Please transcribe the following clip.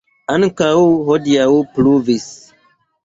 Ankaŭ hodiaŭ pluvis.